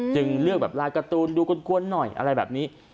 จึงเลือกแบบลายการ์ตูนดูกวนหน่อยอะไรแบบนี้